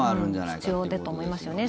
必要でと思いますよね。